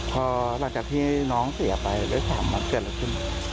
พอหลังจากที่น้องเสียไปด้วย๓วันเกิดอะไรขึ้น